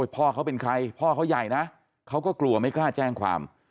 พ่อเขาเป็นใครพ่อเขาใหญ่นะเขาก็กลัวไม่กล้าแจ้งความ